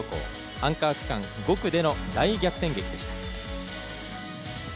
アンカー区間５区での大逆転劇でした。